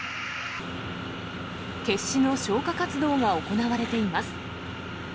決死の消火活動が行われています。